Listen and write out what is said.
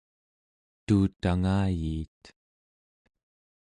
tuutangayiit